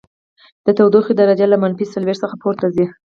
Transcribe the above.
د تودوخې درجه له منفي څلوېښت څخه پورته ځي